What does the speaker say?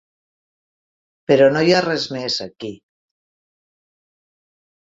Però no hi ha res més, aquí.